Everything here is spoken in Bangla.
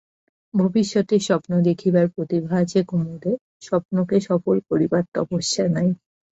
ভবিষ্যতের স্বপ্ন দেখিবার প্রতিভা আছে কুমুদের, স্বপ্নকে সফল করিবার তপস্যা নাই।